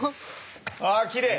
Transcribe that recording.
あきれい！